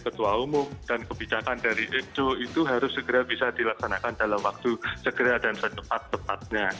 ketua umum dan kebijakan dari ekco itu harus segera bisa dilaksanakan dalam waktu segera dan secepat cepatnya